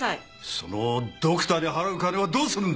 そのドクターに払う金はどうするんだ！